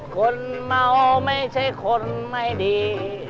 คนเมาไม่ใช่คนไม่ดี